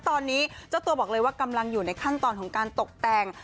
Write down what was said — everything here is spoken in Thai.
ตอนนี้เจ้าตัวบอกเลยว่ากำลังอยู่ในขั้นตอนของการตกแต่ง